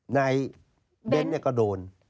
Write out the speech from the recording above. เบ้นก็โดน